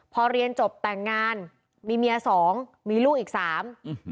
พอเรียนจบแต่งงานมีเมียสองมีลูกอีกสามอืม